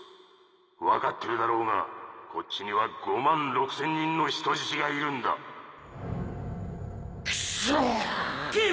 わかってるだろうがこっちには５万６千人の人質がいるんだクッソー！